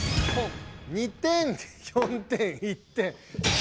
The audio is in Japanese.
２点４点１点。